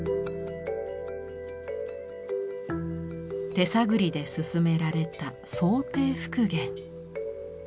手探りで進められた想定復元。